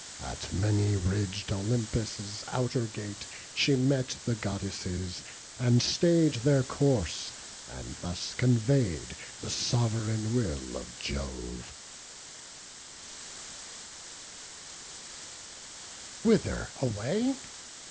At many ridg'd Olympus' outer gate She met the Goddesses, and stay'd their course, And thus convey'd the sov'reign will of Jove: "Whither away?